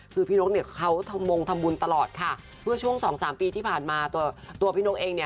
คือพี่นกเนี่ยเขาทำมงทำบุญตลอดค่ะเมื่อช่วงสองสามปีที่ผ่านมาตัวตัวพี่นกเองเนี่ย